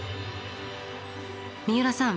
三浦さん